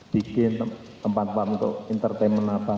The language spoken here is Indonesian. bikin tempat tempat untuk entertainment apa